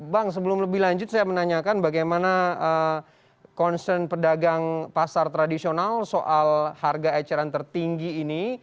bang sebelum lebih lanjut saya menanyakan bagaimana concern pedagang pasar tradisional soal harga eceran tertinggi ini